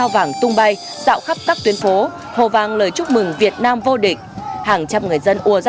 vâng đó quả thực là niềm hạnh phúc